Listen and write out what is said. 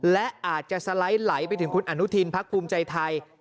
และอาจจะสไลด์ไหลไปถึงคุณอนุทินพักภูมิใจไทย